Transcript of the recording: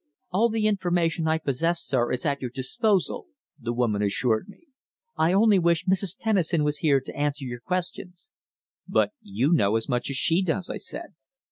"All the information I possess, sir, is at your disposal," the woman assured me. "I only wish Mrs. Tennison was here to answer your questions." "But you know as much as she does," I said.